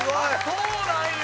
そうなんや。